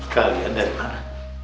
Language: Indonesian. kalian dari mana